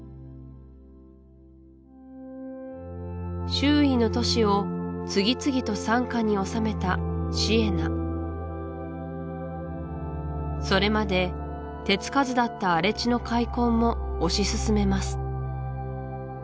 周囲の都市を次々と傘下に収めたシエナそれまで手つかずだった荒れ地の開墾も推し進めます